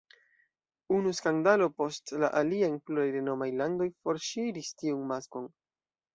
Unu skandalo post la alia en pluraj renomaj landoj forŝiris tiun maskon.